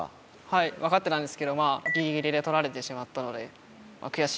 はい分かってたんですけどギリギリで取られてしまったので。